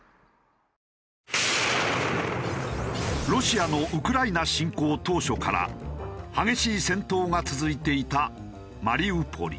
ロシアのウクライナ侵攻当初から激しい戦闘が続いていたマリウポリ。